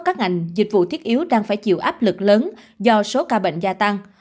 các ngành dịch vụ thiết yếu đang phải chịu áp lực lớn do số ca bệnh gia tăng